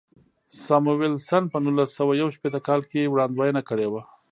ساموېلسن په نولس سوه یو شپېته کال کې وړاندوینه کړې وه.